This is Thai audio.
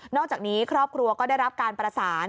อกจากนี้ครอบครัวก็ได้รับการประสาน